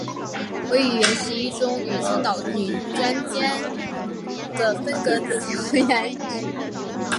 位于原十一中与青岛女专间的分隔墙原址。